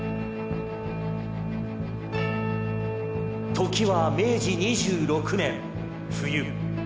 「時は明治２６年冬。